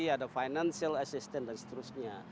ada financial assistance dan seterusnya